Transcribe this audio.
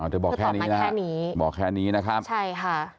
อ๋อเธอบอกแค่นี้นะครับบอกแค่นี้นะครับใช่ค่ะ